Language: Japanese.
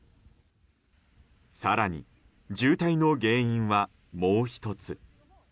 更に、渋滞の原因はもう１つ。